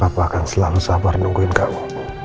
apa akan selalu sabar nungguin kamu